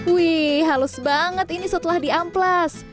wih halus banget ini setelah di amplas